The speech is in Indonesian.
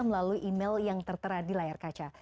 melalui email yang tertera di layar kaca